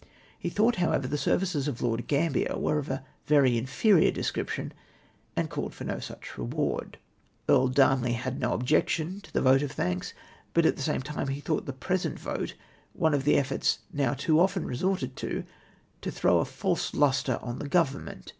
He thought, however, the services of Lord Gambler were of a very inferior description, and called for no such reward.^' " Earl Darnley had no objection to the vote of thanks, but at the same time he thought the present vote one of the efforts now too often resorted to to throw a fals e lustre on the Government.